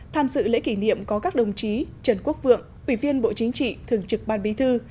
tham dự lễ kỷ niệm có các đồng chí trần quốc vượng ủy viên bộ chính trị thường trực ban bí thư